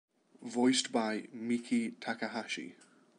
Voiced by Miki Takahashi.